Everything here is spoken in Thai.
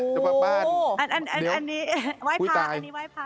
อันนี้ไวภาอันนี้ไวภากันนิดหน่อย